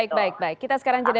kan bisa diperluas juga